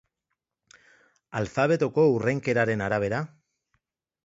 Alfabetoko hurrenkeraren arabera.